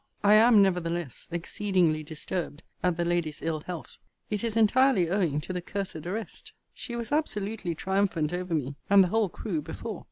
I am, nevertheless, exceedingly disturbed at the lady's ill health. It is entirely owing to the cursed arrest. She was absolutely triumphant over me and the whole crew before.